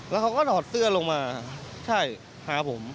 แล้วเขาก็ถอดเสื้อลงมาใช่หาผม